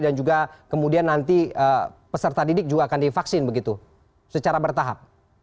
dan juga kemudian nanti peserta didik juga akan divaksin begitu secara bertahap